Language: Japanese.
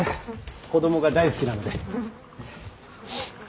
子供が大好きなので。